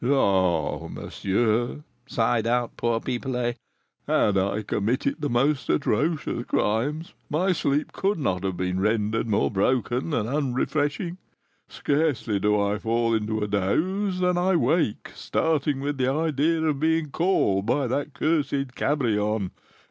"Ah, monsieur," sighed out poor Pipelet, "had I committed the most atrocious crimes, my sleep could not have been rendered more broken and unrefreshing; scarcely do I fall into a doze than I wake starting with the idea of being called by that cursed Cabrion!